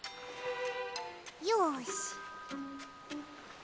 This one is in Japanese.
よし。